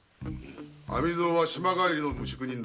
網蔵は島帰りの無宿人だ。